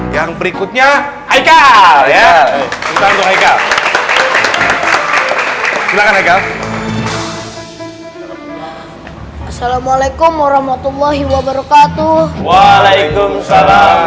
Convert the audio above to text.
yang berikutnya aika ya kita juga silakan agar assalamualaikum warahmatullahi wabarakatuh waalaikumsalam